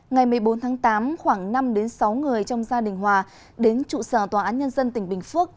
ngày một mươi bốn tháng tám khoảng năm sáu người trong gia đình hòa đến trụ sở tòa án nhân dân tỉnh bình phước